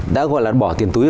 đã gọi là bỏ tiền túi